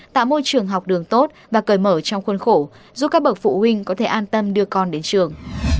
tạo môi trường học đường tốt và cởi mở trong khuôn khổ giúp các bậc phụ huynh có thể an tâm đưa con đến trường